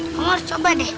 kamu harus coba deh